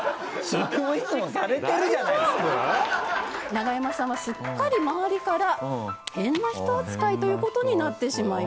ナガヤマさんはすっかり周りから変な人扱いという事になってしまいます。